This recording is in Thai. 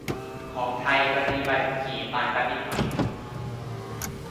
ของไทย กรณีใบขับขี่ ต่างกันนิดหน่อย